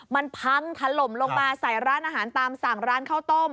มันพังถล่มลงมาใส่ร้านอาหารตามสั่งร้านข้าวต้ม